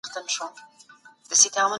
ټولنپوهنه د ټولنې پېژندنه ده.